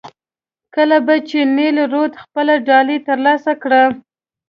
کله به چې نیل رود خپله ډالۍ ترلاسه کړه.